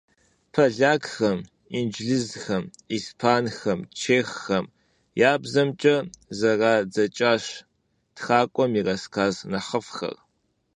Полякхэм, инджылызхэм, испанхэм, чеххэм я бзэхэмкӀэ зэрадзэкӀащ тхакӀуэм и рассказ нэхъыфӀхэр.